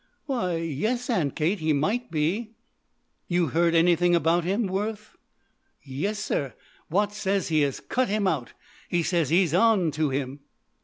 "Why yes, Aunt Kate, he might be." "You heard anything about him, Worth?" "Yes sir; Watts says he has cut him out. He says he's on to him."